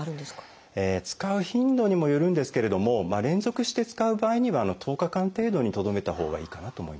使う頻度にもよるんですけれども連続して使う場合には１０日間程度にとどめたほうがいいかなと思います。